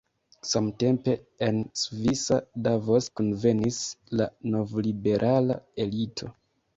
Samtempe en svisa Davos kunvenis la novliberala elito.